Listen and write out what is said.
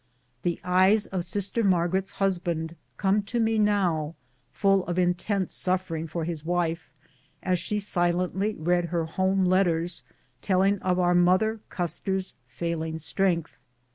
The eyes of sister Margaret's husband come to me now, full of intense suffering for his wife, as she silently read her home letters telling of our mother Custer's failing strength.